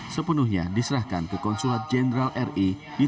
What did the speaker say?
sepenuhnya diserahkan ke konsulat jenderal ri